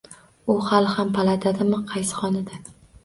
U hali ham palatadami, qaysi xonada